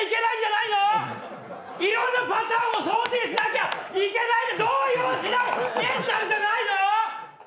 いろんなパターンを想定しなきゃいけない、動揺しないメンタルじゃないの？